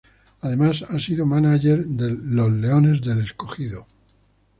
Además ha sido mánager de los "Leones del Escogido".